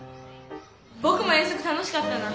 ぼくも遠足楽しかったな。